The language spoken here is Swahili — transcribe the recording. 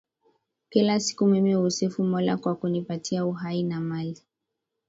Kila siku mimi husifu Mola kwa kunipatia uhai na mali.